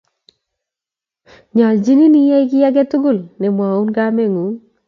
nyoljiin iyai kiit agetugul nemwoun kameng'uny